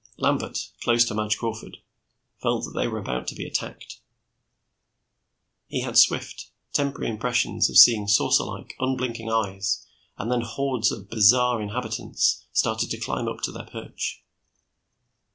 Lambert, close to Madge Crawford, felt that they were about to be attacked. He had swift, temporary impressions of seeing saucerlike, unblinking eyes, and then hordes of bizarre inhabitants started to climb up to their perch.